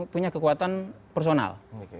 mereka punya kekuatan personal